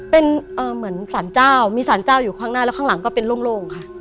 เป็นเหมือนสารเจ้ามีสารเจ้าอยู่ข้างหน้าแล้วข้างหลังก็เป็นโล่งค่ะ